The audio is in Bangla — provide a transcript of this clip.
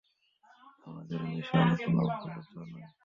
আমাদের মিশন কোনো ভুল তো নয়?